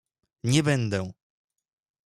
Nie będę!